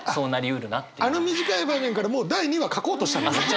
あの短い場面からもう第２話書こうとしたってこと？